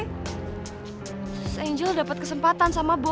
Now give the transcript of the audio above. terus angel dapat kesempatan sama bu